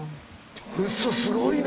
ウッソすごいな。